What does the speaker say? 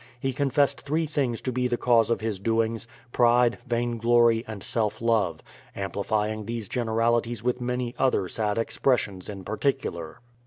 He con fessed three things to be the cause of his doings: pride, vainglory, and self love — amplifying these generalities with many other sad expressions in particular.